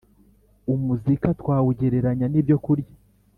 Umuzika twawugereranya n ibyo kurya